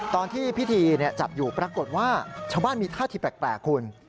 ตอนที่พิธีจัดอยู่ปรากฏว่าชาวบ้านมีท่าทีแปลกคุณ